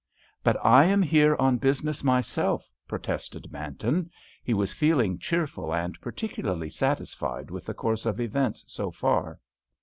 "But I am here on business myself!" protested Manton. He was feeling cheerful and particularly satisfied with the course of events so far.